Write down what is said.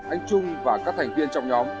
anh trung và các thành viên trong nhóm